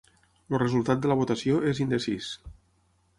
El resultat de la votació és indecís.